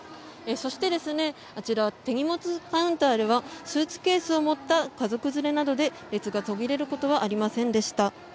そしてあちら、手荷物カウンターではスーツケースを持った家族連れなどで列が途切れることはありませんでした。